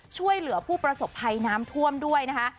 ช่วยเหลือผู้ประสบภัยน้ำท่วมด้วยนะคะ